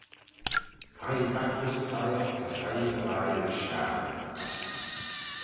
Hie ee back dys y thie eck as hie ee dy lhie rish shiaghtin.